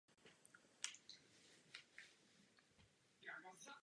Po osm měsíců jim byla odepřena možnost zákonného právního zástupce.